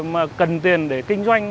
mà cần tiền để kinh doanh